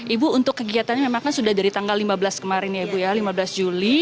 ibu untuk kegiatannya memang kan sudah dari tanggal lima belas kemarin ya ibu ya lima belas juli